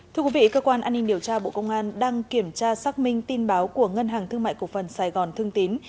thưa quý vị cơ quan an ninh điều tra bộ công an đang kiểm tra xác minh tin báo của ngân hàng thương mại cổ phần sài gòn thương tín